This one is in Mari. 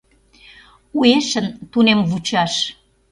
Уэшын тунем вучаш.